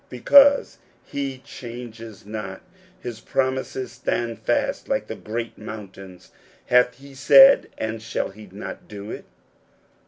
Because he changes not, his promises stand fast like the great mountains. " Hath he said, and shall he not do it